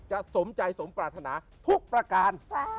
สมใจสมปรารถนาทุกประการ